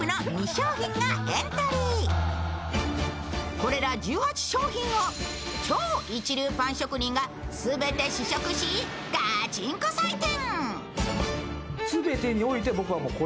これら１８商品を超一流パン職人が全て試食し、ガチンコ採点。